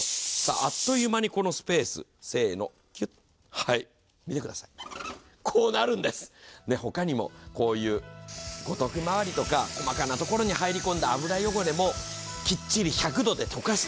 あっという間にこのスペース、せーの、キュッ、こうなるんです、ほかにもこういう五徳周りとか、細かな所に入り込んだ油汚れもきっちり１００度で飛ばす。